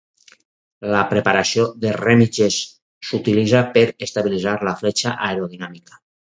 La preparació de rèmiges s'utilitza per estabilitzar la fletxa aerodinàmica.